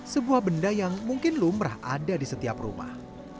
sebuah benda yang mungkin lumrah ada di setiap rumah